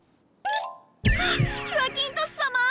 あっヒュアキントス様！